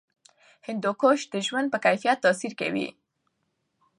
هندوکش د ژوند په کیفیت تاثیر کوي.